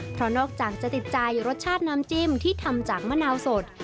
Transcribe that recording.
เพราะนอกจากจะติดใจรสชาติน้ำจิ้มที่ทำจากมะนาวสด